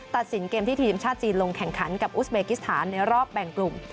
ตัดสินเกมที่ทีมชาติจีนลงแข่งขันกับอุสเบกิสถานในรอบแบ่งกลุ่ม